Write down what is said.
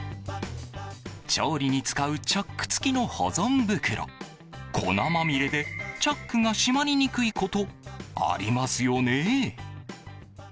調理に使うチャック付きの保存袋粉まみれでチャックが締まりにくいことありますよね。